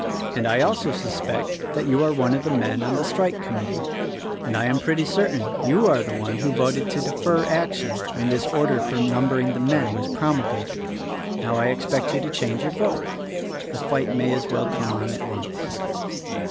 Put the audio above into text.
And I also suspect that you are one of the men on the strike Committee; and I am pretty certain you are the one who voted to defer action when this order for numbering the men was promulgated. Now, I expect you to change your vote. The fight may, as well come on at once."